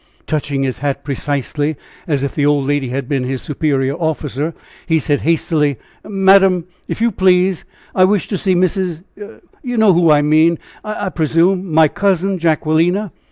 Touching his hat precisely as if the old lady had been his superior officer, he said, hastily: "Madam, if you please, I wish to see Mrs. ; you know who I mean, I presume? my cousin, Jacquelina."